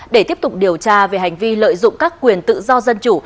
để tiếp tục điều tra về hành vi lợi dụng các quyền tự do dân chủ